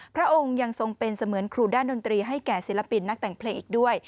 พระองค์ยังทรงเป็นเสมือนครูด้านดนตรีให้แก่ศิลปินนักแต่งเพลงอีกด้วย